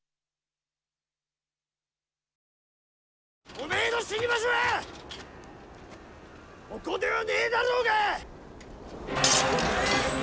おめえの死に場所はここではねえだろうが！